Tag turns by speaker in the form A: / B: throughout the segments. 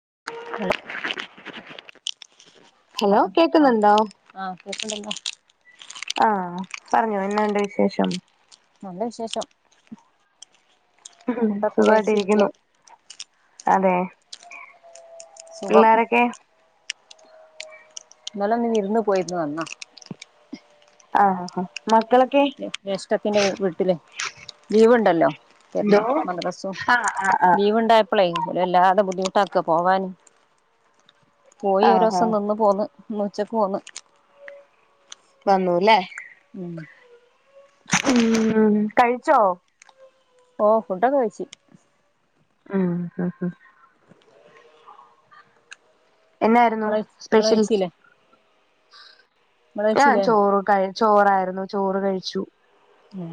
A: [unintelligible]
B: Hello കേക്കുന്നുണ്ടോ
A: കേക്കണ്ടല്ലോ
B: ആ പറഞ്ഞോ എന്നാണ്ട് വിശേഷം
A: നല്ല വിശേഷം ഫുഡൊക്കെ കഴിച്ചിരിക്ക
B: സുഖവായിട്ടിരിക്കുന്നു അതെ
A: സുഖം
B: പിള്ളാരൊക്കെ
A: ഇന്നല്ലെല്ലാം നീനി ഇരുന്ന് പോയിരുന്നു വന്നാ
B: ആ
A: ജ്യേഷ്ഠത്തിന്റെ വീട്ടില് ലീവ് ഉണ്ടല്ലോ തരണ
B: എന്തോ
A: മദ്രസും
B: ആഹ് ആഹ് ആഹ്
A: ലീവുണ്ടായപ്പോളേ ഒൽ വല്ലാതെ ബുദ്ധിമുട്ടാക്കു പോവാന് പോയി
B: ആഹാ
A: ഒരോസം നിന്ന് പോന്ന് ഉച്ചക്ക് പോന്ന്
B: വന്നുല്ലേ
A: ഉം
B: ഉം കഴിച്ചോ
A: ഓ ഫുഡൊക്കെ കഴിച്ച്
B: ആ ആ എന്നായിരുന്നു
A: ഇങ്ങള് ഇങ്ങള്
B: സ്പെഷ്യൽ
A: കഴിച്ചില്ലേ ഇങ്ങള്
B: [inaudible] ഞാൻ
A: കഴിച്ചില്ലേ
B: ചോറ് കഴി ചോറായിരുന്നു ചോറ് കഴിച്ചു
A: ഉം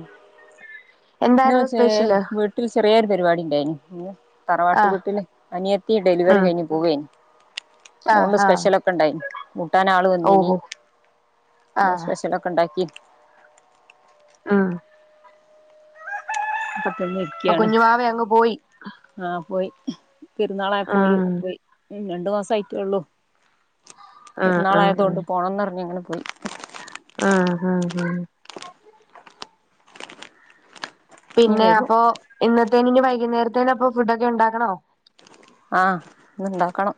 A: ന്ന്
B: എന്തായിരുന്നു
A: വെച്ചേ
B: സ്പെഷ്യല്
A: വീട്ടിൽ ചെറിയൊരു പരിപാടി ണ്ടായ്ന് [unintelligible] തറവാട്ടു
B: ആഹ്
A: വീട്ടില് അനിയത്തി ഡെലിവറി
B: ഉം
A: കയ്ഞ്ഞ് പോവേന്
B: ആഹ്
A: അഓണ്ട്
B: ആഹ്
A: സ്പെഷ്യലൊക്കെണ്ടായിനി കൂട്ടാൻ ആള് വന്നീനി
B: ഓഹോ
A: പ്പൊ
B: ആഹ്
A: സ്പെഷ്യലൊക്കെ ണ്ടാക്കി
B: ഉം
A: [inaudible]
B: പ്പൊ
A: ഇരിക്കയാണ്
B: കുഞ്ഞുവാവ അങ്ങ് പോയി
A: പെരുന്നാളായപ്പോല്
B: ഉം
A: പോയി ന് രണ്ട് മാസായിട്ടൊള്ളു
B: ആഹ് ആഹ്
A: പെരുന്നാളായതോണ്ട് പോണംന്ന് പറഞ്ഞീനു [inaudible]
B: ആഹ ആഹ് ആഹ്
A: ഇനി
B: പിന്നെ
A: വരും
B: അപ്പൊ ഇന്ന [unintelligible] വൈകുന്നേരേന് അപ്പൊ ഫുഡ് ഒക്കെ ഉണ്ടാക്കണോ
A: ആഹ് ഇന്ന് ഇണ്ടാക്കണം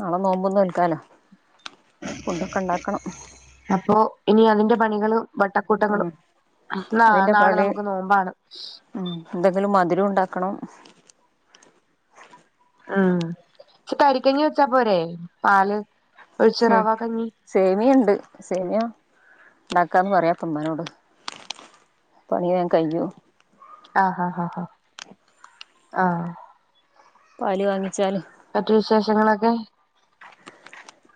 A: നാളെ നോബും നോൽക്കാലോ ഫുണ്ടൊക്കെ ഇണ്ടാക്കണം
B: അപ്പൊ ഇനി അതിന്റെ പണികള് വട്ടക്കൂട്ടങ്ങളും ന
A: അതിന്റെ
B: നാളെ
A: പണി
B: നമുക്ക് നോമ്പാണ്
A: ക്കണം
B: ഉം പക്ഷെ തരിക്കഞ്ഞി വെച്ചാ പോരേ പാല് ഒഴിച്ച്
A: ഉം സേമി
B: റവ കഞ്ഞി
A: സേമിയുണ്ട് സേമിയം ഉണ്ടാക്കാന്ന് പറയാപ്പം ഉമ്മാനോട് പണി വേഗം കയ്യും
B: ആഹ് ആഹ് ആഹ് ആഹ്
A: പാല് വാങ്ങിച്ചാല്
B: മറ്റു വിശേഷങ്ങളൊക്കെ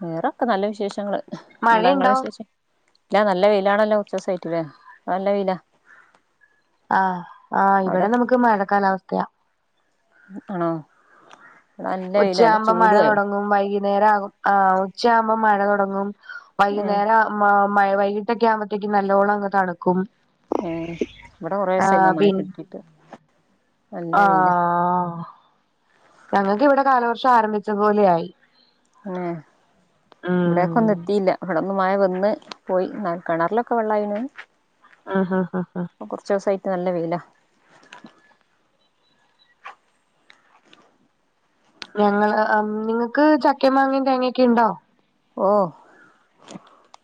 A: വേറെൊക്കെ നല്ല വിശേഷങ്ങള് എന്താ ഇങ്ങളെ
B: മഴയുണ്ടോ
A: വിശേഷം ഇല്ല നല്ല വെയിലാണല്ലേ കുറച്ചു സായിട്ട് ല്ലേ നല്ല വെയിലാ
B: ആഹ് ആഹ്
A: അവിടെ
B: ഇവിടെ നമുക്ക് മഴ കാലാവസ്ഥയാ
A: ആണോ? ഇവിടെ നല്ല വെയിലാ നല്ല
B: ഉച്ചയാകുമ്പോം
A: ചൂടു
B: മഴ
A: ആയി
B: തുടങ്ങും വൈകി നേരകും ആഹ് ഉച്ച ആകുമ്പം മഴ തുടങ്ങും
A: ഏഹ്
B: വൈകുന്നേരം. മ വൈകീട്ടൊക്കെ ആവുമ്പഴത്തേക്ക് നല്ലോണം അങ്ങ് തണുക്കും.
A: ഉ ഇവിടെ കൊറേ
B: ആഹ്
A: ദസായിരുന്നു
B: പിൻ
A: കിട്ടിട്ട് നല്ല വെയില.
B: ഞങ്ങൾക്ക് ഇവിടെ കാലവർഷം ആരംഭിച്ചതു പോലെ ആയി.
A: ന്നെ. ഇവിടെ ക്കെ ഒന്നെത്തിയില്ല അവിടെ ഒന്നും. ഇന്ന് പോയി കിണറിലൊക്കെ വെള്ളമായിണ്.
B: ആഹ് ഹ ആഹ് ഹ ഹ.
A: നല്ല വെയിലാ.
B: ഞങ്ങള് നിങ്ങൾക്ക് ചക്ക മാങ്ങയും തേങ്ങൊക്കെ ഉണ്ടോ?
A: ഓ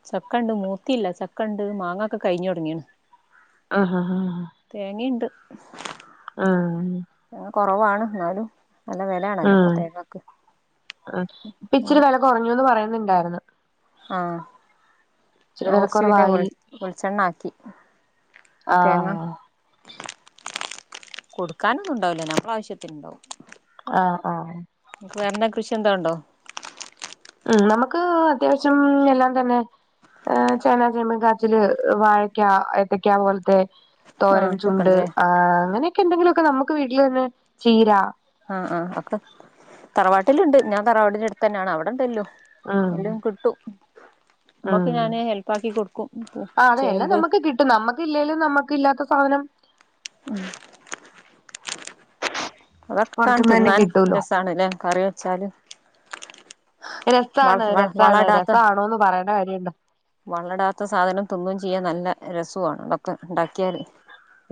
A: ചക്കെണ്ട് മൂത്തില്ല ചക്കെണ്ട് മാങ്ങെക്ക കഴിഞ്ഞ് തൊടങ്ങീയണ്.
B: ആ ഹാ ഹാ ആ
A: കൊറവാണ് എന്നാലും. നല്ല
B: ആ
A: വിലയാണല്ലോ ഇപ്പൊ തേങ്ങക്ക്
B: ആ ഇപ്പ ഇച്ചിരി വില കൊറഞ്ഞൂന്ന് പറയുന്നെ ണ്ടാരിന്ന്.
A: ആ ഞാൻ
B: വെല
A: കൊറച്ച് പിന്നെ വെൾ
B: കൊറവായി
A: വെളിച്ചെണ്ണ ആക്കി തേങ്ങ.
B: ആഹ്
A: കൊടുക്കാനൊന്നും ഇണ്ടാകൂല്ല ഞമ്മളാവശ്യത്തിനിണ്ടാവും.
B: ആ ആ
A: വെണ്ട കൃഷി എന്തോ എണ്ടോ?
B: ഉം നമുക്ക് അത്യാവശ്യം എല്ലാം തന്നെ ആ ചേനാ, ചേമ്പ്, കാച്ചില്, വാഴക്ക, എത്തക്കാ പോലത്തെ
A: ആഹ് ഇതൊക്കെ
B: തോരൻചുണ്ട്
A: ഉണ്ടല്ലേ
B: ആഹ് അങ്ങനെയൊക്കെ എന്തെങ്കിലു ഒ ക്കെ നമുക്ക് വീട്ടില് തന്നെ ചീര
A: ആ ആ അക്ക് തറവാട്ടിലുണ്ട് ഞാൻ തറവാടിന്റെ അടുത്ത് തന്നെയാണ് അവിടെണ്ടല്ലൊ
B: ആ ആ
A: ഉമ്മക്ക് ഞാന് ഹെൽപ്പാക്കി കൊടുക്കും
B: ആ അത് എല്ലാം
A: ചേമ്പ്
B: നമുക്ക് കിട്ടും നമ്മ‌ക്കില്ലേലും നമ്മ‌ക്കില്ലാത്ത സാധനം.
A: ഉം അതൊക്കാൻ
B: പുറത്തുന്ന് തന്നെ
A: തിന്നാൻ
B: കിട്ടൂലോ
A: രസാണല്ലേ കറി വെച്ചാല്. വ
B: രസാണ്
A: വ വള
B: രസാണ്
A: ഇടാത്ത
B: രസാണോന്ന് പറയേണ്ട കാര്യണ്ടോ
A: വള ഇടാത്ത സാധനം തിന്നും ചെയ്യാ നല്ല- രസും ആണ് ഇതെക്കെഉണ്ടാക്കിയാല്-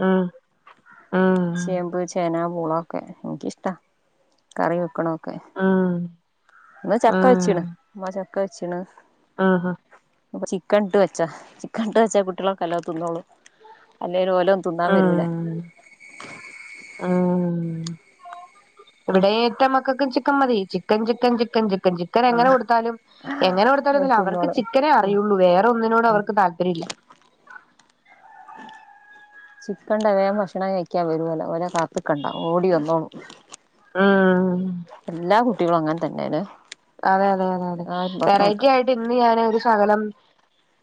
B: ഉം ഉം
A: ചേമ്പ് ചേന- പൂള- ഓക്കെ എനിക്കിഷ്ട കറി വക്കാ ണോക്കെ
B: ഉം
A: ഇന്ന് ചക്ക വെച്ച്ണ് ന്നാ ച ക്ക വെച്ച് ണ്-
B: ആഹ് -
A: പ്പം ചിക്കൻട്ട് വെച്ചാ ചിക്കൻ ഇട്ട് വെച്ചാ കുട്ടികളെക്കെ നല്ലോ തിന്നോളും അല്ലേല് ഓലെന്നും തിന്നാൻ വരൂല
B: ഉം ഉം ഇവിടെ ഏന്റെ മക്കക്കും ചിക്കൻ മതി ചിക്കൻ ചിക്കൻ ചിക്കൻ ചി ചിക്കൻ ചിക്കന് എങ്ങനെ
A: ആഹ്
B: കൊടുത്താലും എങ്ങനെ കൊടുത്താലും
A: ഓല്
B: നല്ലഅവർക്ക്
A: തിന്നോളും
B: ചിക്കനേ
A: ഉം
B: അറിയെള്ളൂ വേറെ ഒന്നിനോട് അവർക്ക് താല്പര്യം ഇല്ല
A: ചിക്കൻട്ടോൽ വേഗം ഭക്ഷണം കഴിക്കാൻ വരും ഓല് ഓല കാത്ത്ക്കണ്ട ഓടി വന്നോളും
B: ഉം
A: എല്ലാ കുട്ടികളും അങ്ങനെ തന്നെ ലേ
B: അതെ അതെ അതെ വെറൈറ്റി ആയിട്ട് ഇന്ന് ഞാനെര് സകലം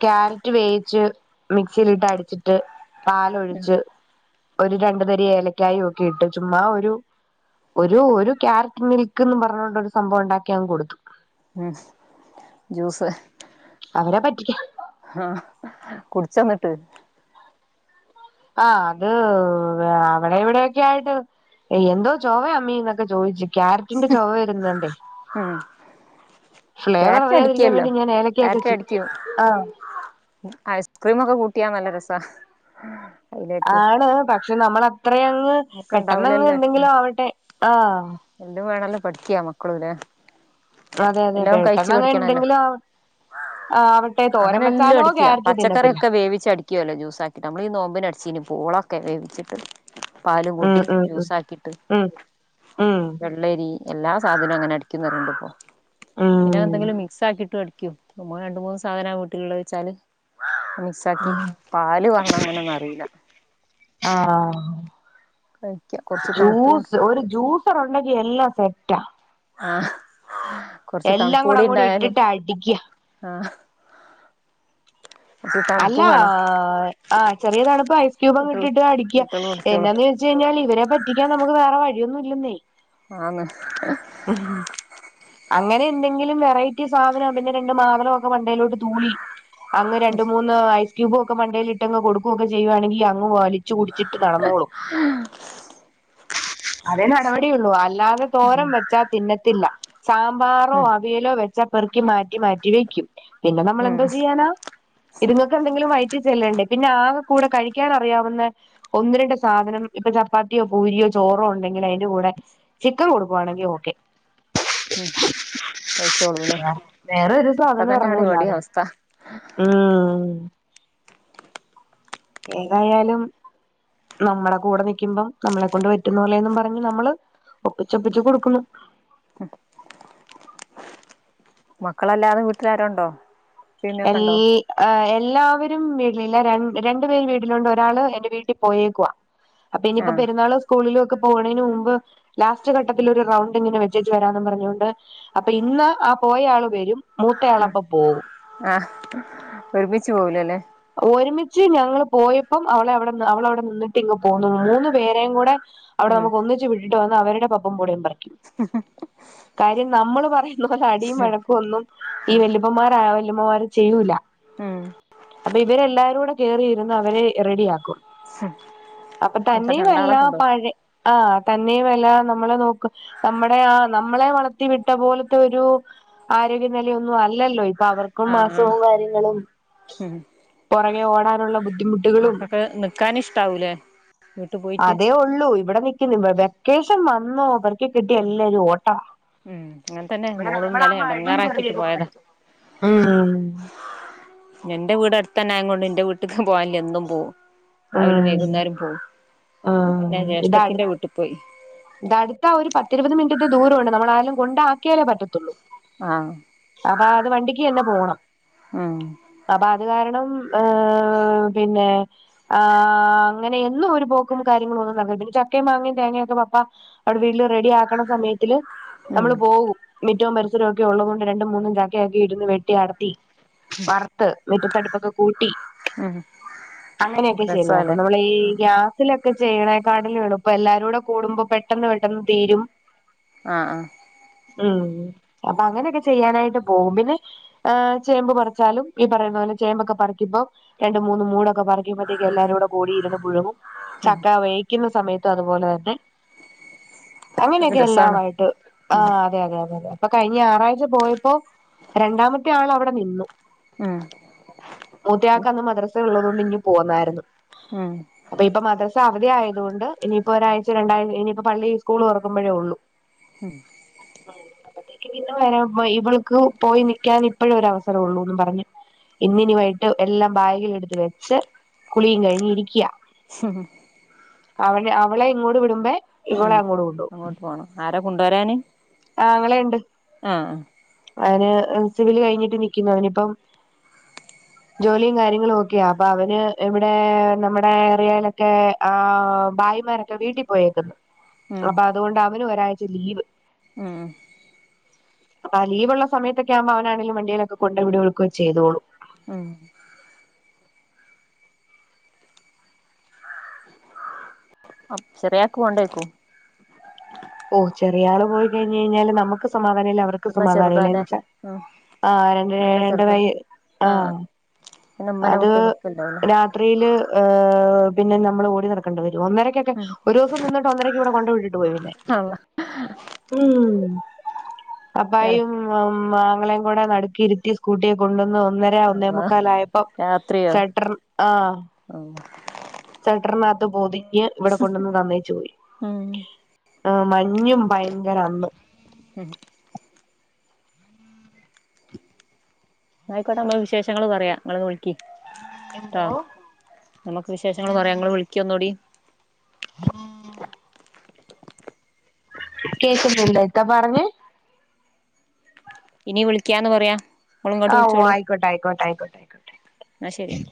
B: ക്യരറ്റ് വേവിച്ച് മിക്സിയിലിട്ട് അടിച്ചിട്ട് പാലൊഴിച്ച് ഒരു രണ്ടു തരി ഏലക്കായ ഒക്കെ ഇട്ട് ചുമ്മാ ഒരു ഒരു ഒരു ക്യാരറ്റ് മിൽക്ക്ന്ന് പറഞ്ഞൊണ്ട ഒരു സംഭവം ഉണ്ടാക്കിയൻ കൊടുത്തു
A: ഉം ജൂസ്
B: അവരെ പറ്റിക്കാൻ
A: ആ കുടിച്ചന്നിട്ട്
B: ആ അത് അവിടെ ഇവിടെക്കെ ആയിട്ട് എന്തോ ചോവ അമ്മീന്നൊക്കെ ചോദിച്ചി ക്യാരറ്റിന്റെ ചൊവ വരരുന്നുണ്ടേ
A: ഉം ക്യാരറ്റ് അടിക്കല്ലോ ക്യാരറ്റ്
B: ചേ
A: അടിക്കൂ
B: ആഹ്
A: ഐസ്ക്രീമ ഒക്കെ കൂട്ട കട്ടിയാമല രസ
B: ആണ് പക്ഷെ നമ്മൾ അത്രയും
A: നമുക്ക്
B: പെട്ടെന്ന്ങ്ങ്
A: ഇണ്ടാവൂലല്ലേ ഉം
B: എന്തെങ്കിലും ആവട്ടെ ആ
A: പഠിക്ക മക്കളനെ
B: അതെ അതെ
A: എല്ലാം കഴിച്ചു
B: പെട്ടെന്നങ്ങ്
A: പടിക്കണല്ലോ
B: എന്തെങ്കിലും ആവ ആവട്ടെ തോരൻ
A: അങ്ങനെ എല്ലാം
B: വെച്ചാലോ
A: അടിക്കാ
B: ക്യാരറ്റ് തിന്നത്തില്ല
A: പച്ചക്കറിയൊക്കെ വേവിച്ച അടിക്കുവല്ലോ ജ്യൂസാക്കിട്ട് നമ്മള് ഈ നോമ്പിന അടിച്ചനി പൂള ഒക്കെ വേവിച്ചിട്ട പാല
B: ഉം
A: കൂട്ടി
B: ഉം
A: യൂസ ആക്കിട്ട്
B: ഉം ഉം
A: വെള്ളരി എല്ലാ സാധനവും അങ്ങനെ അടിക്കുന്നവരുണ്ട് ഇപ്പോ പിന്നെ
B: ഉം
A: എന്തെങ്കിലും മിക്സ് ആക്കിട്ട് രണ്ട മൂന്ന് സാധനമാ വീട്ടിലൂള്ള വെച്ചാല് മിക്സ ആക്കി
B: ഉം
A: പാല് പറണം അങ്ങനോന്നും അറിയില്ല
B: ആഹ്
A: കഴിക്ക കൊറച്ച് തണുപ്പും
B: ജ്യൂസ് ഒരു ജ്യൂസർ ഉണ്ടെങ്കി എല്ല സെറ്റാ
A: ആ
B: എല്ലാം കൂടെ അ കൂടി ഇട്ടിട്ട് ആട്ടിക്കുക
A: ആഹ് കൊറച്ച്
B: അല്ല
A: തണുപ്പും വേണം
B: ആ ചെറിയതാണ് ഇപ്പൊ ഐസ്ക്യൂബും
A: കുട്ടികള്
B: കിട്ടിട്ട് അടിക്കുക
A: കുട്ടികള് കുടിച്ചോളും
B: എന്നാന്ന് ചോച്ച് കഴിഞ്ഞാൽ ഇവരെ പറ്റിക്കാൻ നമുക്ക് വേറെ അഴ ഒന്നും ഇല്ലേ
A: ആന്ന്
B: അങ്ങനെ എന്തെങ്കിലും വെറയ്റ്റി സാധന പിന്നെ രണ്ട് മാതല് ഒക്കെ വണ്ടേലോട്ട് തൂളി അങ്ങ് ര ണ്ട് മൂന്ന് അയ്സ് ക്യൂബൊക്കെണ്ടയി ഇട്ടങ് കൊക്കുവൊക്ക ചെയ്യുവാണങ്കി അങ് പോവ ച്ച് കുടിച്ചിട്ട് നടന്നോളൂ അതേ നടപടിയള്ളൂ അല്ലാതെ തോരം
A: ഉം
B: വെച്ചാ തിന്നത്തില്ല സാമ്പാറോ
A: ഉം
B: അവിയലോ വെ ച്ച പെറക്കി മാറ്റി മാറ്റി വെക്കും പിന്നെ നമ്മള് എന്തോ
A: ഉം
B: ചെയ്യാനാ ഇതുങ്ങക്കെന്തെങ്കിലും വയറ്റി ചെല്ലണ്ടേ പിന്നെ ആകെ കൂടെ കഴിക്കാൻ അറിയാവുന്ന ഒന്ന് രണ്ട് സാധനം ഇപ്പൊ ചപ്പാത്തിയോ പൂരിയോ ചോറോ ഉണ്ടെങ്കിൽ അതിന്റെ കൂടെ ചിക്കൻ കൊടുക്കുവാണെങ്കിൽ ഓക്കെ
A: ഉം കഴിച്ചോളൂല്ലേ
B: വെ വേറെരു
A: ഒക്കെ
B: സാധനം
A: തന്നെയാണ്
B: എറങ്ങൂലാത്
A: ഇവിടേം അവസ്ഥ
B: ഉം ഉം ഏതായാലും നമ്മളെ കൂടെ നിക്കുമ്പം നമ്മളെ കൊണ്ട് പറ്റുന്ന പോലേന്നും പറഞ്ഞ് നമ്മള് ഒപ്പിച്ചൊപ്പിച്ച് കൊടുക്കുന്നു
A: മക്കളല്ലാതെ വീട്ടിലാരോണ്ടോ
B: എൽ ആ എല്ലാവെരും വീ ലില്ല രൺ രണ്ട് പേര് വീട്ടിലുണ്ട് ഒരാൾ എന്റെ വീട്ടിൽ പോയേക്കുവാ അപ്പ ഇഞിപ്പം
A: ആഹ്
B: പെരുന്നാൾ സ്കൂളിലോ ക്കെ പോണേയ്ന് മുമ്പ് ലാസ്റ്റ് ഘട്ടത്തില് ഒരു റൗണ്ട് ഇങ്ങനെ വെച്ചേച്ചു വരാന്നും പറഞ്ഞൊണ്ട് അപ്പ ഇന്ന് ആ പോയ ആൾ വെരും മൂത്തയാൾ അപ്പം പോവും
A: ആഹ് ഒരുമിച്ച് പോവുലലെ
B: ഒര്മിച്ച് ഞങ്ങൾ പോയപ്പം അവളെ അവെടെന്ന് അവെൾ അവ്ടെ നിന്നിട്ട് ഇങ്ങ് പോന്നു തോന്നു മൂന്ന് പേരെയും കൂടെ അവ്ടെ
A: ഉം
B: നമുക്ക് ഒന്നിച്ച് വി ട്ട് വന്ന് അവരുടെ പപ്പം പുടെം പറിം കാര്യം നമ്മെൾ പറയുന്ന പോലെ അടിയും വഴക്കൊന്നും ഈ വെല്ലിപ്പന്മാര് ആവ് ലുമ്മന്മാരും ചെയ്യുലാ
A: ഉം
B: അപ്പ ഇവെരെല്ലാരൂടെ കേറിയിര്ന്ന് അവരെ റെഡിയാക്കും അപ്പ
A: ഇപ്പൊ
B: തന്നെവല്ല
A: രണ്ടാളൊക്കെ ഉണ്ടോ
B: പഴെ ആഹ് തന്നെയുവല്ല നമ്മളെ നോക്ക് നമ്മെടെ ആ നമ്മളെ വളെർത്തി വിട്ട പോൽത്തെ ഒരു ആരോഗ്യനെല ഒന്നും അല്ലല്ലോ ഇപ്പം അവർ ഇപ്പ
A: ആഹ് ആഹ്
B: മാസവും കാര്യങ്ങളും പൊറകെ ഓടാനുള്ള ബുദ്ധിമുട്ട്
A: മക്കെക്ക് നിക്കാൻ ഇഷ് താവുലേ
B: അതേ ഉള്ളൂ ഇവിടെ നി വെ വെക്കേഷൻ വന്നോ അവർക്ക് കിട്ടിയ എല്ലാരും ഓട്ടവാ
A: അങ്ങനെ തന്നെ
B: ഇവിടെ
A: ഇന്നലെ മോള്
B: നമ്മളാവുമ്പോ അടിയും
A: എടങ്ങാറാക്കിട്ട്
B: തെറിയൊക്കെ
A: പോയതാ
B: പറയും ഉം
A: എന്റെ വീട് അടുത്ത - തന്നെ അങ്ങോണ്ട് ന്റെ വീട്ട്ക്ക് പോവാനും നി എന്നും പോവും രാവിലേം
B: ആഹ്
A: വൈകുന്നേരം പോവും പിന്നെ
B: ആഹ് ഇത്
A: ജ്യേഷ്ഠത്തിന്റെ വീട്ടി പോയി
B: അടുത്താ ഒരു പത്തു - ഇരുപത് മിനിറ്റ്ന്റെ ദൂരവുണ്ട് നമ്മള് ആയാലും കൊണ്ടാക്കിയാലേ പറ്റത്തുള്ളൂ
A: ആഹ്
B: അപ്പ അത് വണ്ടിക്ക് തന്നെ- പോണം
A: ഉം
B: അപ്പൊ അത് കാരണം ആഹ് പിന്നെ ആ അങ്ങനെ എന്നും ഒരു പോക്കും കാര്യങ്ങളും ഒന്നും നടന്നിട്ടില്ല പിന്നെ ചക്കയും മാങ്ങയും തേങ്ങൊക്കെ പപ്പ അവിടെ വീട്ടില് റെഡി ആക്കണ സമയത്തില്
A: ഉം
B: നമ്മള് പോകും മിറ്റവും പരിസരവും ഒക്കെ ഒള്ളത് കൊണ്ട് രണ്ട് മൂന്നും ചക്കൊക്കെ ഇരുന്ന് വെട്ടി അടത്തി വറുത്ത് മിറ്റത്തടുപ്പൊക്കെ കൂട്ടി
A: ഉം
B: അങ്ങനെയൊക്കെ പിന്നെക്കെ
A: രസാല്ലേ
B: നമ്മളീ ഗ്യാസിലൊക് ക്കെ ചെയ്യണെ കട്ടിലും എളുപ്പം എല്ലാരൂടെ കൂടുമ്പോ പെട്ടെന്ന് പെട്ടെന്ന് തീരും
A: ആ ആ
B: ഉം അപ്പൊ അങ്ങനെക്കെ ചെയ്യാനായിട്ട് പോവും പിന്നെ ഏ ചേമ്പ് പറിച്ചാലും ഈ പറയുന്ന പോലെ ചേമ്പൊക്കെ പഠിക്കുമ്പോ രണ്ട് മൂന്ന് മൂടൊക്കെ പറിക്കുമ്പോ എല്ലാരൂടെ കൂടിയിരുന്നു പുഴുങ്ങും ചക്ക വെയ്ക്കുന്ന സമയത്ത് അതുപോലെ തന്നെ
A: ആഹ്
B: അങ്ങനെയൊക്കെ
A: രസാണ്
B: എല്ലാമായിട്ട് ആ
A: ഉം
B: അതെ അതെ അതെതെ പ്പൊ കഴിഞ്ഞ ഞറാഴ്ച പോയപ്പോ രണ്ടാമത്തെ ആൾ അവിടെ നിന്നു
A: ഉം
B: മൂത്തയാക്കന്ന് മദ്രസ ഉള്ളതു മഞ്ഞു പോന്നാരുന്നു
A: ഉം
B: അപ്പൊ ഇപ്പൊ മദ്രസ അവധി ആയതോണ്ട് ഇനി പ്പൊരാഴ്ച രണ്ടാശനിയിപ്പൊ പള്ളി സ്കൂൾ തുറക്കുമ്പഴേ ഒള്ളൂ
A: ഉം
B: ഇന്ന് വരെ വേ ഇവൾക്ക് പോയി നിക്കാൻ ഇപ്പെഴൊരവസരൊള്ളൂന്നും പറഞ്ഞ് ഇന്നിനി വൈകിട്ട് എല്ലാം ബാഗിലിടുത്ത് വെച്ച് കുളിയും കഴിഞ്ഞ് ഇരിക്ക്യ
A: ഹഹ
B: അവന് അവളെ ഇങ്ങോട് വിടുമ്പേ ഇവളെ അങ്ങോട് കൊണ്ടോം
A: രാ കൊണ്ടുവരാന്
B: ആങ്ങളേണ്ട്.
A: ആഹ്
B: അവന് സിവില് കഴിഞ്ഞിട്ട് നിക്കുന്നു അവനിപ്പം ജോലിയും കാര്യങ്ങളും ഒക്കെയാ അപ്പൊ അവന് ഇവിടെ നമ്മുടെ ഏറിയയിലൊക്കെ ആ ഭായിമാരൊക്കെ വീട്ടിൽ പോയേക്കുന്നു
A: ഉം
B: അപ്പൊ അതുകൊണ്ട അവനും ഒരാഴ്ച ലീവ്
A: മ് -
B: അപ്പ ലീവുള്ള സമയത്തൊക്കെകുമ്പോ അവനാണെങ്കും വണ്ടിയിലൊക്കെ കൊണ്ട്വ വിടുക്കെ ചെയ്തോളൂ.
A: മ് - അ ചെറയാക്ക് പോണ്ടയ്ക്കൂ-
B: ഓ ചെറിയ ആള് പോയി കഴിഞ്ഞഞ് കഴിഞ്ഞാലലും നമുക്ക് സമാധാന ഇല്ല അവർക്ക്
A: എന്നാ
B: സമാധാന
A: ചെറുതാല്ലേ
B: ഇല്ലന്ന്ച്ചാ
A: ഉം
B: ആ രണ്ട്
A: നല്ല
B: രണ്ട് വ
A: ചെറുതല്ലേ
B: ആഹ
A: ആഹ് പിന്നെ ഉമ്മനെ
B: അത്
A: വിട്ട് നിക്കണ്ടാവൂലേ
B: രാത്രിയില് ഏ പിന്നെ നമ്മള് ഓടി നടക്കണ്ട വരും ഒന്നരക്കെക്കെ
A: ഉം
B: ഒരൂസം നിന്നിട്ട് ഒന്നരക്ക് ഇവിടെ കൊണ്ട് വിട്ടിട്ട് പോയി എന്നെ
A: അള്ളാ
B: ഉം. അപ്പായും [unintelligible] ആങ്ങളേം കൂടെ നടുക്കിരുത്തി സ്കൂട്ടിയെ കൊണ്ടുവന്നു ഒന്നര
A: അള്ളാ
B: ഒന്നേമുക്കാലായ
A: രാത്രിയോ
B: [unintelligible] ആ
A: ഉം
B: [unintelligible] നാത്ത് പൊതി ഞ്ഞ് ഇവിടെ കൊണ്ടുവന്ന് തന്നേച്ചു പോയി.
A: ഉം
B: ആഹ് മഞ്ഞും ഭയങ്കര അന്ന്.
A: ഇന്നായിക്കോട്ടെ നമ്മൾ വിശേഷങ്ങൾ പറയാ നിങ്ങള് [unintelligible] വിളിക്കി. ട്ടോ.
B: എന്തോ
A: നമുക്ക് വിശേഷങ്ങൾ പറയാ ഇങ്ങള് വിളിക്ക് ഒന്നൂടി.
B: കേക്കുന്നുണ്ടോ ഇത്താ പറഞ്ഞെ?
A: ഇനി വിളിക്കാന്ന് പറയാ. നിങ്ങളും ഇങ്ങോട്ട്
B: ആഹ് ഓ
A: വിളിച്ചോളൂ
B: ആയിക്കോട്ടെ ആയിക്കോട്ടെ ആയിക്കോട്ടെ ആയിക്കോട്ടെ
A: എന്നാ ശരി
B: ആയിക്കോട്ടെ.